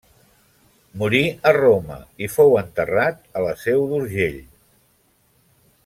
Morí a Roma i fou enterrat a la Seu d’Urgell.